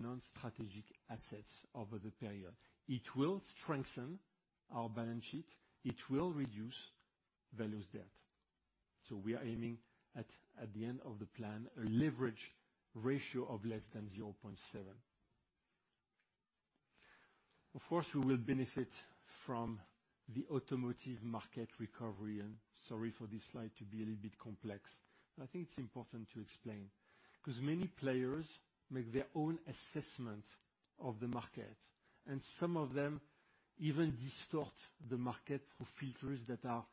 non-strategic assets over the period. It will strengthen our balance sheet. It will reduce Valeo's debt. We are aiming at the end of the plan a leverage ratio of less than zero point seven. Of course, we will benefit from the automotive market recovery. Sorry for this slide to be a little bit complex, but I think it's important to explain. 'Cause many players make their own assessment of the market, and some of them even distort the market for filters that are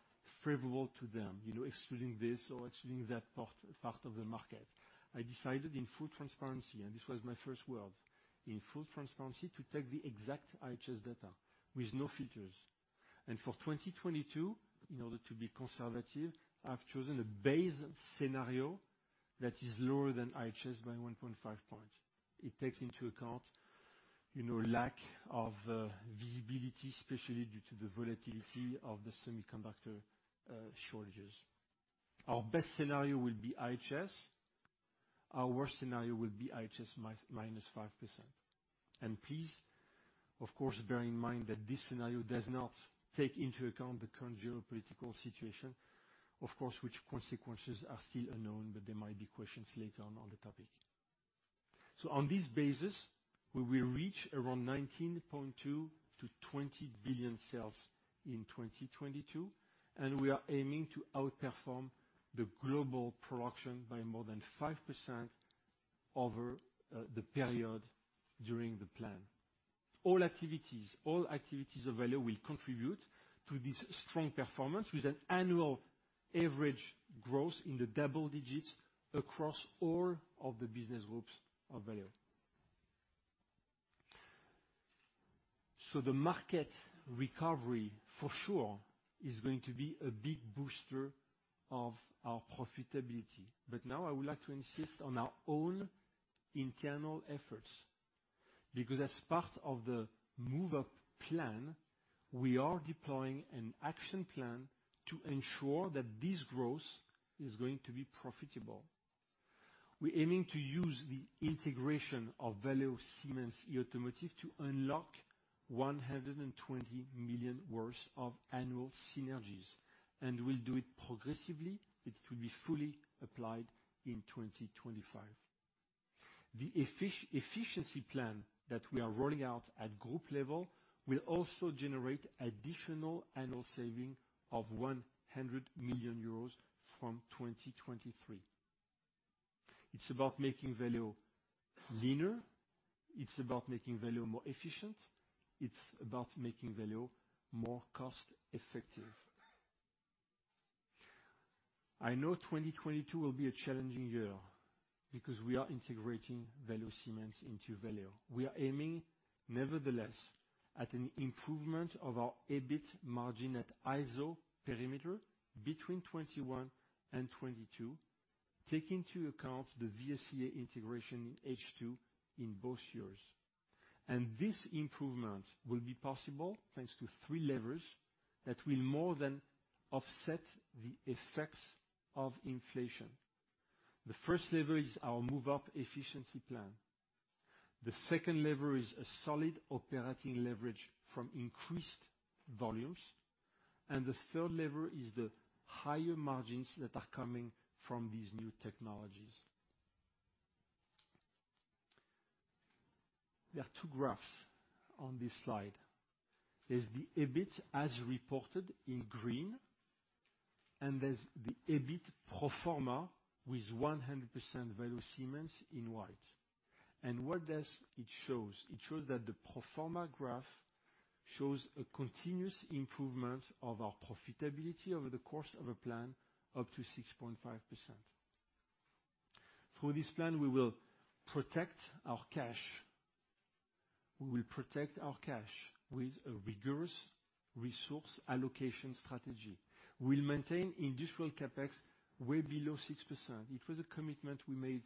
favorable to them, you know, excluding this or excluding that part of the market. I decided in full transparency, and this was my first world, in full transparency, to take the exact IHS data with no filters. For 2022, in order to be conservative, I've chosen a base scenario that is lower than IHS by one point five points. It takes into account, you know, lack of visibility, especially due to the volatility of the semiconductor shortages. Our best scenario will be IHS. Our worst scenario will be IHS minus 5%. Please, of course, bear in mind that this scenario does not take into account the current geopolitical situation, of course, which consequences are still unknown, but there might be questions later on the topic. On this basis, we will reach around 19.2 billion-20 billion sales in 2022, and we are aiming to outperform the global production by more than 5% over the period during the plan. All activities of Valeo will contribute to this strong performance, with an annual average growth in the double digits across all of the business groups of Valeo. The market recovery, for sure, is going to be a big booster of our profitability. Now I would like to insist on our own internal efforts, because as part of the Move Up plan, we are deploying an action plan to ensure that this growth is going to be profitable. We're aiming to use the integration of Valeo Siemens eAutomotive to unlock 120 million worth of annual synergies, and we'll do it progressively. It will be fully applied in 2025. The efficiency plan that we are rolling out at group level will also generate additional annual savings of 100 million euros from 2023. It's about making Valeo leaner. It's about making Valeo more efficient. It's about making Valeo more cost effective. I know 2022 will be a challenging year because we are integrating Valeo Siemens into Valeo. We are aiming, nevertheless, at an improvement of our EBIT margin at ISO perimeter between 21% and 22%, taking into account the VSEA integration in H2 in both years. This improvement will be possible thanks to three levers that will more than offset the effects of inflation. The first lever is our Move Up efficiency plan. The second lever is a solid operating leverage from increased volumes. The third lever is the higher margins that are coming from these new technologies. There are two graphs on this slide. There's the EBIT as reported in green, and there's the EBIT pro forma with 100% Valeo Siemens in white. What does it show? It shows that the pro forma graph shows a continuous improvement of our profitability over the course of a plan up to 6.5%. Through this plan, we will protect our cash. We will protect our cash with a rigorous resource allocation strategy. We'll maintain industrial CapEx way below 6%. It was a commitment we made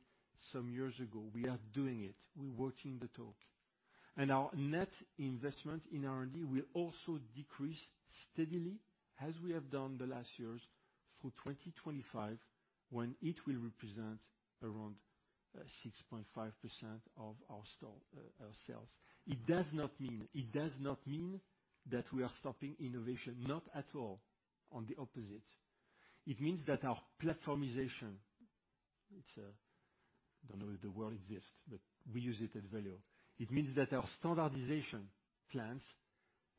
some years ago. We are doing it. We're walking the talk. Our net investment in R&D will also decrease steadily as we have done the last years through 2025, when it will represent around 6.5% of our sales. It does not mean that we are stopping innovation. Not at all. On the opposite. It means that our platformization, it's, don't know if the word exists, but we use it at Valeo. It means that our standardization plans,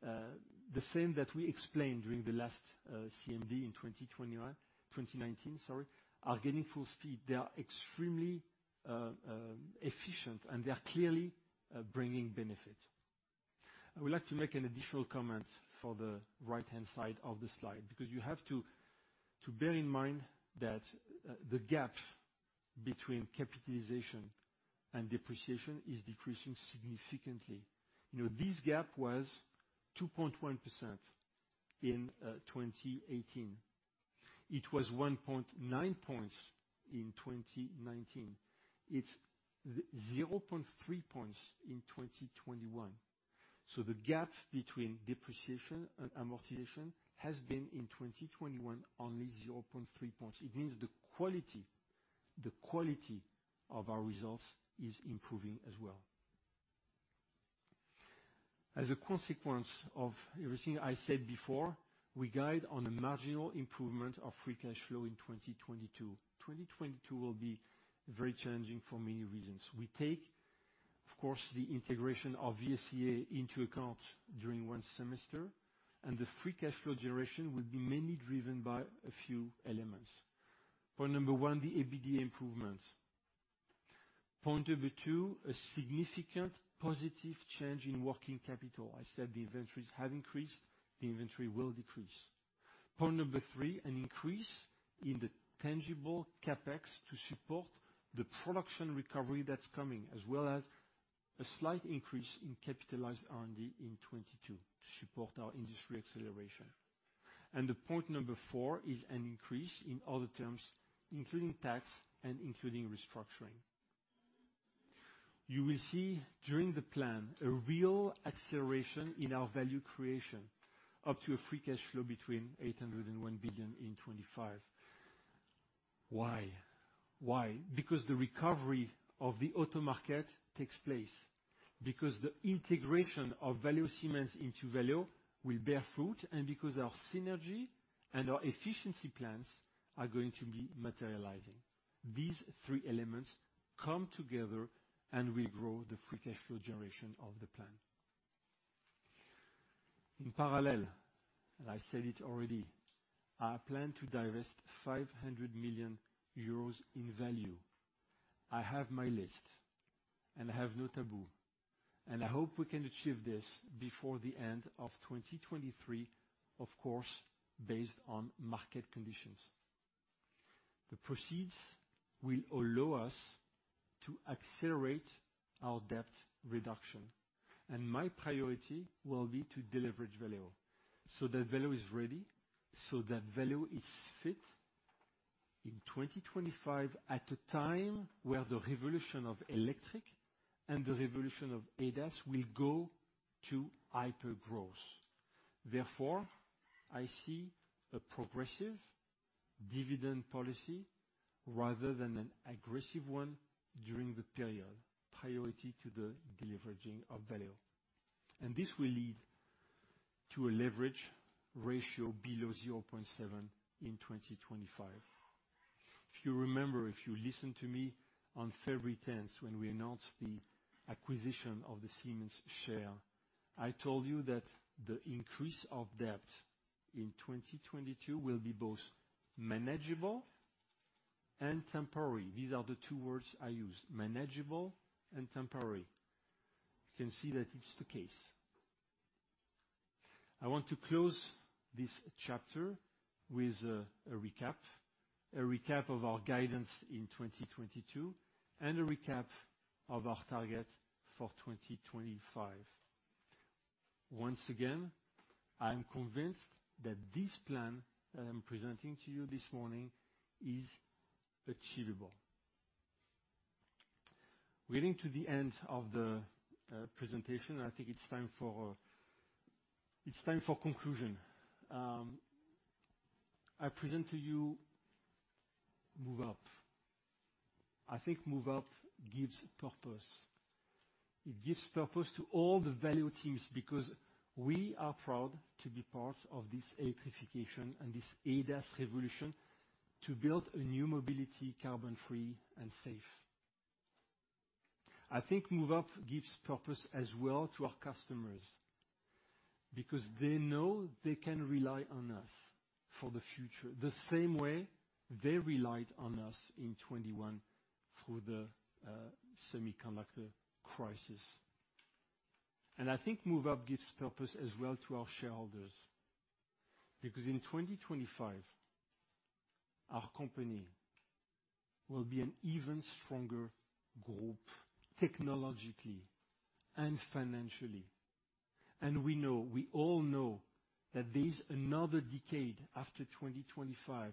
the same that we explained during the last CMD in 2021, 2019, sorry, are gaining full speed. They are extremely efficient, and they are clearly bringing benefit. I would like to make an additional comment for the right-hand side of the slide, because you have to bear in mind that the gap between CapEx and depreciation is decreasing significantly. You know, this gap was 2.1% in 2018. It was one point nine points in 2019. It's zero point three points in 2021. The gap between depreciation and amortization has been, in 2021, only zero point three points. It means the quality of our results is improving as well. As a consequence of everything I said before, we guide on a marginal improvement of free cash flow in 2022. 2022 will be very challenging for many reasons. We take, of course, the integration of VSeA into account during one semester, and the free cash flow generation will be mainly driven by a few elements. Point number one, the EBIT improvement. Point number two, a significant positive change in working capital. I said the inventories have increased, the inventory will decrease. Point number three, an increase in the tangible CapEx to support the production recovery that's coming, as well as a slight increase in capitalized R&D in 2022 to support our industry acceleration. The point number four is an increase in other terms, including tax and including restructuring. You will see during the plan a real acceleration in our value creation, up to a free cash flow between 800 million and 1 billion in 2025. Why? Why? Because the recovery of the auto market takes place. Because the integration of Valeo Siemens into Valeo will bear fruit, and because our synergy and our efficiency plans are going to be materializing. These three elements come together, and we grow the free cash flow generation of the plan. In parallel, and I said it already, I plan to divest 500 million euros in Valeo. I have my list, and I have no taboo, and I hope we can achieve this before the end of 2023, of course, based on market conditions. The proceeds will allow us to accelerate our debt reduction, and my priority will be to deleverage Valeo so that Valeo is ready, so that Valeo is fit in 2025, at a time where the revolution of electric and the revolution of ADAS will go to hypergrowth. Therefore, I see a progressive dividend policy rather than an aggressive one during the period, priority to the deleveraging of Valeo. This will lead to a leverage ratio below 0.7 in 2025. If you remember, if you listened to me on February 10, when we announced the acquisition of the Siemens share, I told you that the increase of debt in 2022 will be both manageable and temporary. These are the two words I used, manageable and temporary. You can see that it's the case. I want to close this chapter with a recap. A recap of our guidance in 2022 and a recap of our target for 2025. Once again, I am convinced that this plan that I'm presenting to you this morning is achievable. Getting to the end of the presentation, I think it's time for conclusion. I present to you Move Up. I think Move Up gives purpose. It gives purpose to all the Valeo teams, because we are proud to be part of this electrification and this ADAS revolution to build a new mobility, carbon-free and safe. I think Move Up gives purpose as well to our customers, because they know they can rely on us for the future, the same way they relied on us in 2021 through the semiconductor crisis. I think Move Up gives purpose as well to our shareholders, because in 2025, our company will be an even stronger group, technologically and financially. We know, we all know, that there's another decade after 2025,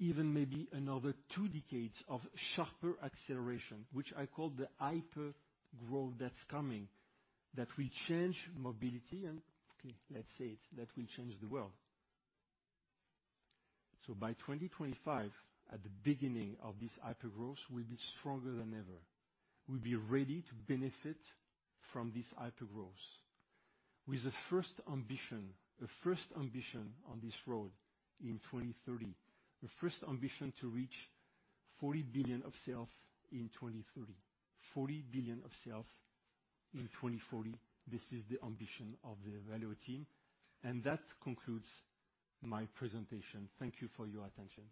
even maybe another two decades, of sharper acceleration, which I call the hypergrowth that's coming, that will change mobility and, okay, let's say it, that will change the world. By 2025, at the beginning of this hypergrowth, we'll be stronger than ever. We'll be ready to benefit from this hypergrowth. With the first ambition on this road in 2030, the first ambition to reach 40 billion of sales in 2030. 40 billion of sales in 2040, this is the ambition of the Valeo team. That concludes my presentation. Thank you for your attention.